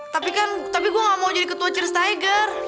tapi kan tapi gue gak mau jadi ketua cheers tiger